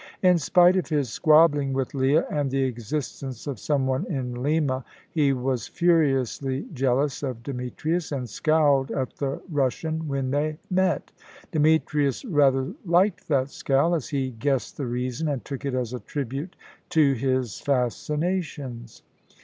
In spite of his squabbling with Leah, and the existence of some one in Lima, he was furiously jealous of Demetrius, and scowled at the Russian when they met. Demetrius rather liked that scowl, as he guessed the reason, and took it as a tribute to his fascinations.